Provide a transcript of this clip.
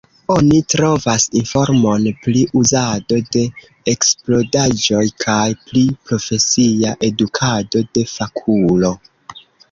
Oni trovas informon pri uzado de eksplodaĵoj kaj pri profesia edukado de fakulo.